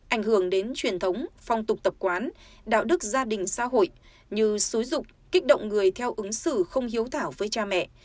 ảnh hưởng đến truyền thống phong tục tập quán đạo đức gia đình xã hội như xúi rục kích động người theo ứng xử không hiếu thảo với cha mẹ